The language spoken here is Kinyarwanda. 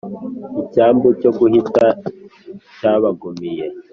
Icyambu cyo guhita cyabagumiye !